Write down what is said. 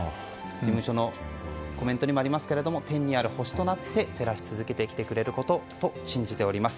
事務所のコメントにもありますけれども天にある星となって照らし続けてきてくれることと信じております。